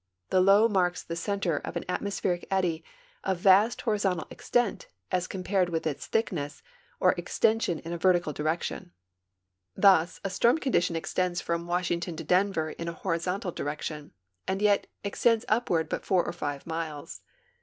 The low marks the center of an atmospheric eddy of vast horizontal extent as compared with its thickness or extension in a vertical direction; tlius a storm condition extends from Washington to Denver in a liori zontal direction and yet extends upward but four or five miles.